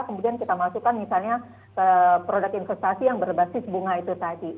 kemudian kita masukkan misalnya produk investasi yang berbasis bunga itu tadi